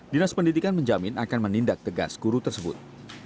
dinas pendidikan menjamin akan menindak tegas guru tersebut